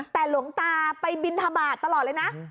แต่หลวงตาไปบินทบาทตลอดเลยนะ